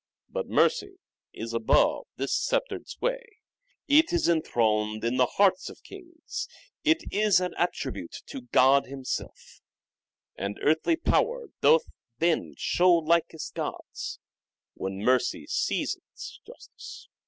But mercy is above this sceptred sway ; It is enthroned in the hearts of kings ; It is an attribute to God Himself ; And earthly power doth then show likest God's When mercy seasons justice."